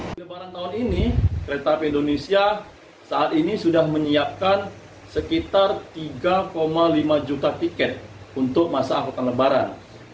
pada lebaran tahun ini kereta api indonesia saat ini sudah menyiapkan sekitar tiga lima juta tiket untuk masa angkutan lebaran